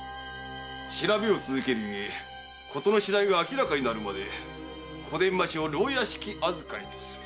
調べを続けるゆえ事の次第が明らかになるまで小伝馬町牢屋敷預かりとする。